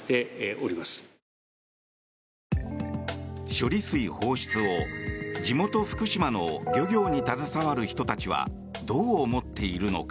処理水放出を、地元・福島の漁業に携わる人たちはどう思っているのか。